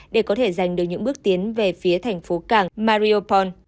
để có thể giành được những bước tiến về phía thành phố cảng mariopool